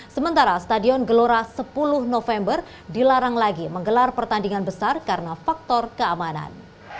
sementara stadion gelora sepuluh november dilarang lagi menggelar pertandingan besar karena faktor keamanan